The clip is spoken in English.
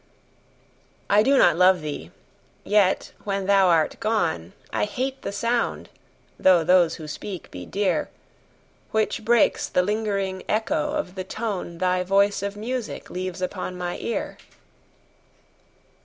I do not love thee!—yet, when thou art gone, I hate the sound (though those who speak be dear) 10 Which breaks the lingering echo of the tone Thy voice of music leaves upon my ear.